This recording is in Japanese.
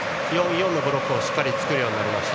４−４のブロックを作るようになりました。